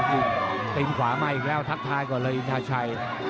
ตีนขวามาอีกแล้วทักทายก่อนเลยอินทาชัย